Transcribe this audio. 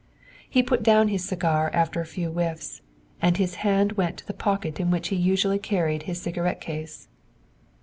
He put down his cigar after a few whiffs, and his hand went to the pocket in which he had usually carried his cigarette case.